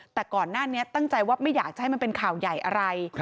แต่ก่อนหน้านี้ตั้งใจว่าไม่อยากจะให้มันเป็นข่าวใหญ่อะไร